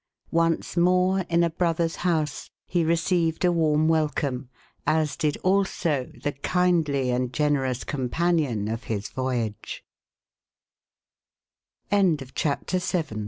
Once more in a brother's house, he received a warm wel come, as did also the kindly and generous companion of his voy